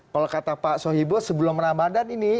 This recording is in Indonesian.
kalau kata pak sohibo sebelum ramadhan ini